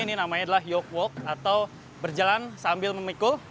ini namanya yoke walk atau berjalan sambil memikul